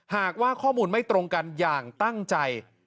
หากว่าข้อมูลไม่ตรงกันอย่างตั้งใจ